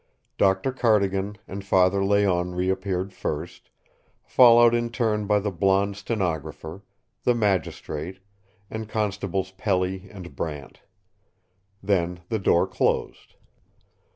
Doctor Cardigan and Father Layonne reappeared first, followed in turn by the blonde stenographer, the magistrate, and Constables Pelly and Brant. Then the door closed.